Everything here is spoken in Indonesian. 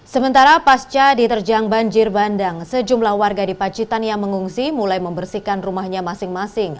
sementara pasca diterjang banjir bandang sejumlah warga di pacitan yang mengungsi mulai membersihkan rumahnya masing masing